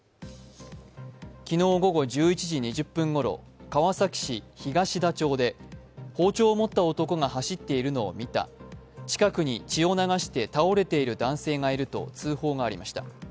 昨日午後１１時２０分ごろ、川崎市東田町で包丁を持った男が走っているのを見た近くに血を流して倒れている男性がいると、通報がありました。